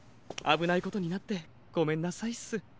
あぶないことになってごめんなさいっす。